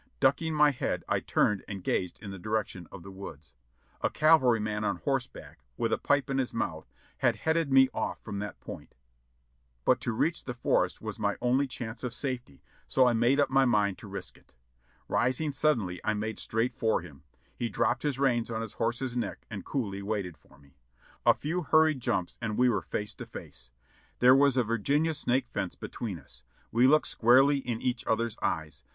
Ducking my head I turned and gazed in the direction of the woods. A cavalryman on horseback, with a pipe in his mouth, had headed me ofif from that point, but to reach the forest was my only chance of safety, so I made up my mind to risk it. Rising suddenly I made straight for him. He dropped his reins on his horse's neck and coolly waited for me. A few hur ried jumps and we were face to face. There was a Virginia snake fence between us; we looked squarely in each other's eyes.